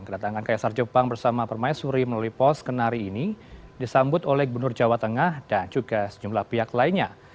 kedatangan kaisar jepang bersama permaisuri melalui pos kenari ini disambut oleh gubernur jawa tengah dan juga sejumlah pihak lainnya